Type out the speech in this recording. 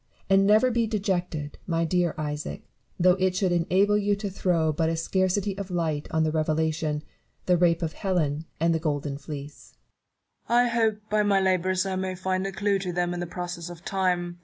And never be dejected, my dear Isaac, though it should enable you to throw but a scarcity of light on the Revelation, The Rape of Helen, and The Golden Fleece. Newton. I hope by my labours I may find a clew to them in the process of time.